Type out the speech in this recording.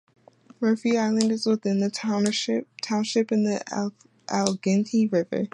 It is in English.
Murphy Island is within the township in the Allegheny River.